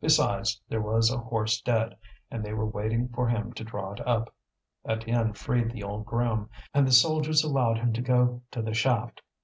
Besides, there was a horse dead, and they were waiting for him to draw it up. Étienne freed the old groom, and the soldiers allowed him to go to the shaft.